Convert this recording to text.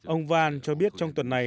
ông vann cho biết trong tuần này